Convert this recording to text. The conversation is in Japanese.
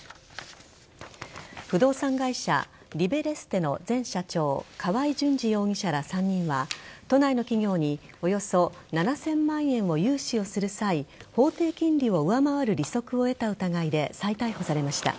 不動産会社・リベレステの前社長河合純二容疑者ら３人は都内の企業におよそ７０００万円の融資をする際法定金利を上回る利息を得た疑いで再逮捕されました。